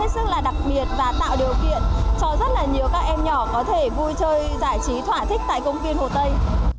rất là đặc biệt và tạo điều kiện cho rất là nhiều các em nhỏ có thể vui chơi giải trí thỏa thích tại công viên hồ tây